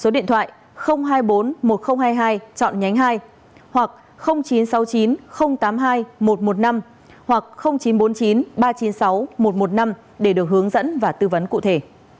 số điện thoại hai mươi bốn một nghìn hai mươi hai chọn nhánh hai hoặc chín trăm sáu mươi chín tám mươi hai một trăm một mươi năm hoặc chín trăm bốn mươi chín ba trăm chín mươi sáu một trăm một mươi năm để được hướng dẫn và tư vấn cụ thể